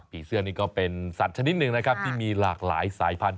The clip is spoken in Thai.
เสื้อนี่ก็เป็นสัตว์ชนิดหนึ่งนะครับที่มีหลากหลายสายพันธุ